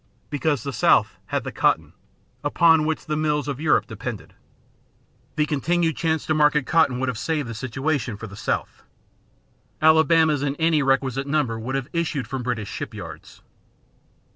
Because the South had the cotton, upon which the mills of Europe depended. The continued chance to market cotton would have saved the situation for the South. Alabamas in any requisite number would have issued from British shipyards.